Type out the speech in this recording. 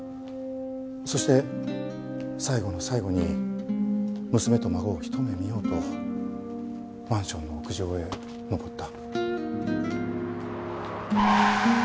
そして最後の最後に娘と孫をひと目見ようとマンションの屋上へ上った。